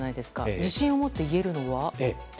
自信を持って言えるのは？